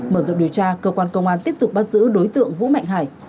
mở rộng điều tra cơ quan công an tiếp tục bắt giữ đối tượng vũ mạnh hải